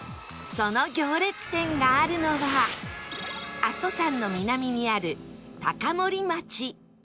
その行列店があるのは阿蘇山の南にある高森町